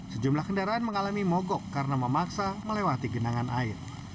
sejumlah kendaraan mengalami mogok karena memaksa melewati genangan air